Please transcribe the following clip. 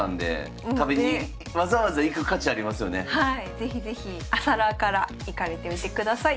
是非是非朝ラーから行かれてみてください。